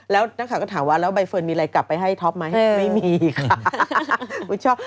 แล้วนักข่าวก็ถามว่าแล้วใบเฟิร์นมีอะไรกลับไปให้ท็อปไหมไม่มีค่ะ